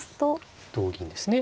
同銀ですね。